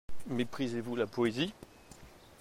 Méprisez-vous la poésie?